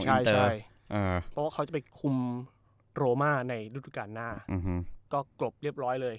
ใช่เพราะว่าเขาจะไปคุมโรมาในฤดูการหน้าก็กรบเรียบร้อยเลย